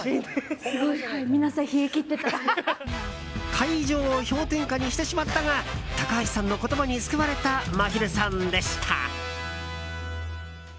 会場を氷点下にしてしまったが高橋さんの言葉に救われたまひるさんでした。